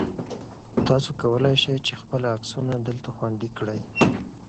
تاسو کولای شئ چې خپل عکسونه دلته خوندي کړئ.